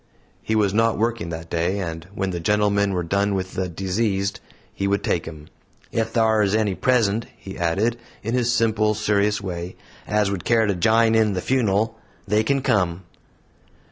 He was not working that day; and when the gentlemen were done with the "diseased," he would take him. "Ef thar is any present," he added, in his simple, serious way, "as would care to jine in the fun'l, they kin come."